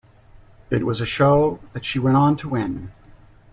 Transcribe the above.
It was a show that she went on to win.